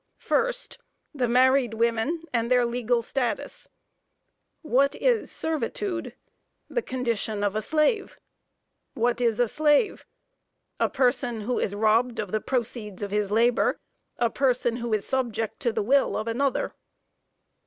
First. The married women and their legal status. What is servitude? "The condition of a slave." What is a slave? "A person who is robbed of the proceeds of his labor; a person who is subject to the will of another."